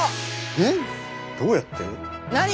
えっどうやって？